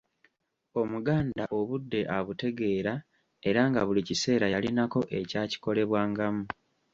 Omuganda obudde abutegeera era nga buli kiseera yalinako ekyakikolebwangamu.